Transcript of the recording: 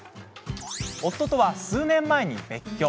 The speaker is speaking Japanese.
夫とは数年前に別居。